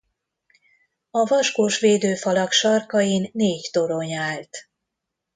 A vaskos védőfalak sarkain négy torony állt.